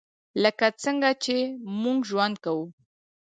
لکه څنګه چې موږ ژوند کوو .